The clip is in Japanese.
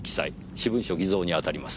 私文書偽造にあたります。